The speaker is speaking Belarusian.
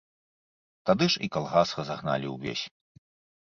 Тады ж і калгас разагналі ўвесь.